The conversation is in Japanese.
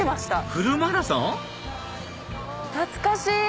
フルマラソン⁉懐かしい！